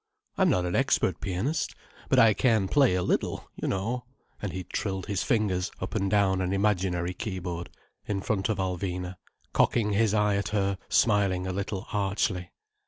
I'm not an expert pianist—but I can play a little, you know—" And he trilled his fingers up and down an imaginary keyboard in front of Alvina, cocking his eye at her smiling a little archly.